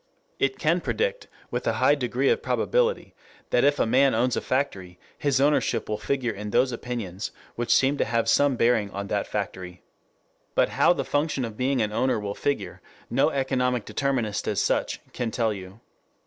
It can predict, with a high degree of probability, that if a man owns a factory, his ownership will figure in those opinions which seem to have some bearing on that factory. But how the function of being an owner will figure, no economic determinist as such, can tell you.